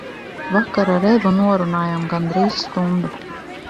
Vakar ar Evu norunājām gandrīz stundu.